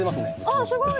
あっすごい！